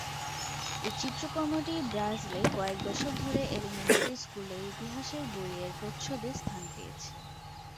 এ চিত্রকর্মটি ব্রাজিলে কয়েক দশক ধরে এলিমেন্টারি স্কুলে ইতিহাসের বইয়ের প্রচ্ছদে স্থান পেয়েছে।